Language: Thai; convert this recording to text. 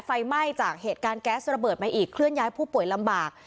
ไฟไหม้จากเหตุการณ์แก๊สระเบิดมาอีกเคลื่อนย้ายผู้ป่วยลำบาก